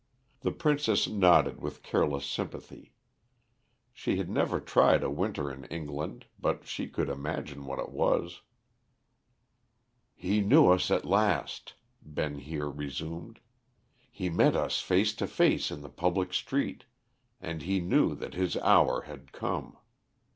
The princess nodded with careless sympathy. She had never tried a winter in England, but she could imagine what it was. "He knew us at last," Ben Heer resumed. "He met us face to face in the public street, and he knew that his hour had come.